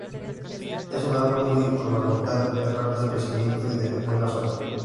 Es un árbol muy ornamental, de rápido crecimiento y de buena sombra.